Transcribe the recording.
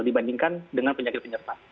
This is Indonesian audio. dibandingkan dengan penyakit penyerta